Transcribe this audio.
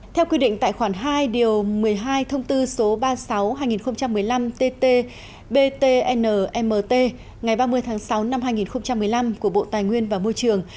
theo quy định tại khoản hai một mươi hai ba mươi sáu hai nghìn một mươi năm tt btnmt ngày ba mươi tháng sáu năm hai nghìn một mươi năm của bộ tài nguyên và môi trường